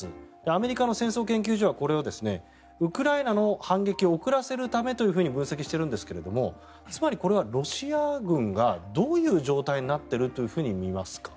アメリカの戦争研究所はこれをウクライナの反撃を遅らせるためと分析しているんですがつまりこれはロシア軍がどういう状態になっていると見ますか？